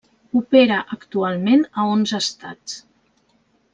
Opera actualment a onze estats.